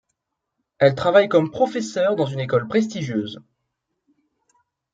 Elle travaille comme professeur dans une école prestigieuse.